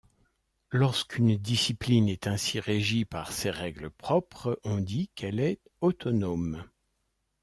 Lorsqu'une discipline est ainsi régie par ses règles propres, on dit qu'elle est autonome.